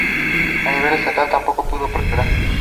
A nivel estatal tampoco pudo prosperar.